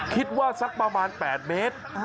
คิดว่าสักประมาณ๘เมตร